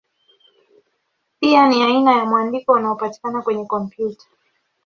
Pia ni aina ya mwandiko unaopatikana kwenye kompyuta.